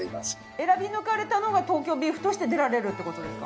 選び抜かれたのが東京ビーフとして出られるって事ですか？